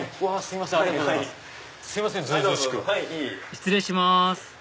失礼します